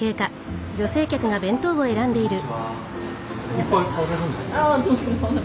こんにちは。